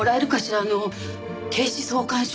あの警視総監賞。